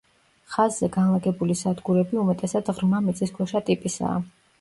ხაზზე განლაგებული სადგურები უმეტესად ღრმა მიწისქვეშა ტიპისაა.